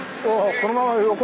このまま横に。